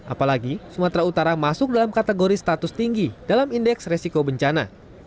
apalagi sumatera utara masuk dalam kategori status tinggi dalam indeks resiko bencana